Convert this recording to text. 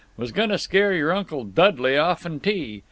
was going to scare your Uncle Dudley offn tea!